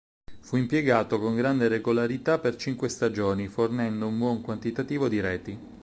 Fu impiegato con grande regolarità per cinque stagioni, fornendo un buon quantitativo di reti.